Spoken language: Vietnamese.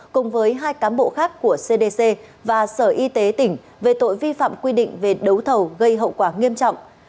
cùng với hai cán bộ khác của cdc và sở y tế tỉnh về tội vi phạm quy định về đấu thầu gây hậu quả nghiêm trọng